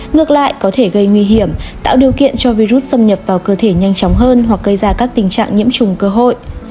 ngược lại có thể gây nguy hiểm tạo điều kiện cho virus xâm nhập vào cơ thể nhanh chóng hơn hoặc gây ra các tình trạng nhiễm trùng cơ hội